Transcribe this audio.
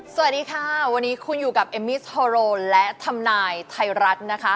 สวัสดีค่ะวันนี้คุณอยู่กับเอมมี่โทโรและทำนายไทยรัฐนะคะ